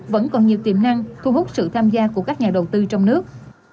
vẫn còn nhiều tiềm năng thu hút sự tham gia của các nhà đầu tư trong nước